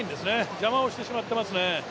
邪魔をしてしまっていますね。